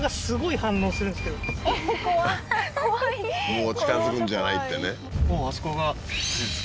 「もう近づくんじゃない」ってねうわ